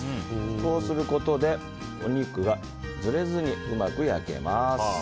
こうすることで、お肉がずれずに上手く焼けます。